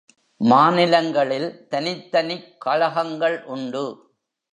மாநிலங்களில் தனித்தனிக் கழகங்கள் உண்டு.